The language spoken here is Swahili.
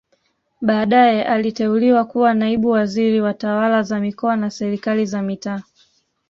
Baadae aliteuliwa kuwa naibu waziri wa tawala za mikoa na serikali za mitaa